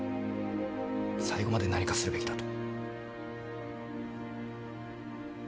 最後まで何かするべきだと。